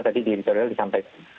tadi di editorial disampaikan